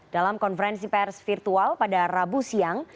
dalam konferensi pers virtual pada rabu siang